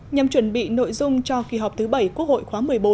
nhằm chuẩn bị nội dung cho kỳ họp thứ bảy quốc hội khóa một mươi bốn